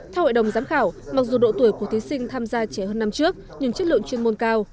theo hội đồng giám khảo mặc dù độ tuổi của thí sinh tham gia trẻ hơn năm trước nhưng chất lượng chuyên môn cao